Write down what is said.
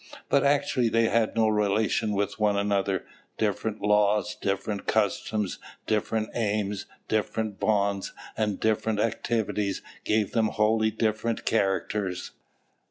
But actually they had no relation with one another; different laws, different customs, different aims, different bonds, and different activities gave them wholly different characters."